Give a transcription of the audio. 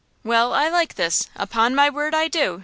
"Well, I like this! Upon my word, I do!"